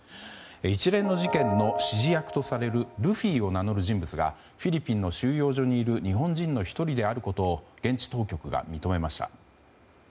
一連の事件の指示役とされるルフィを名乗る人物がフィリピンの収容所にいる日本人の１人であることを現地当局が認めました。